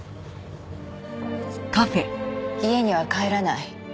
家には帰らない。